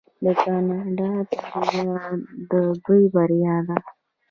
د کاناډا بریا د دوی بریا ده.